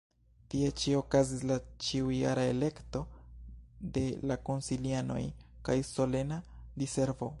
Tie ĉi okazis la ĉiujara elekto de la konsilianoj kaj solena diservo.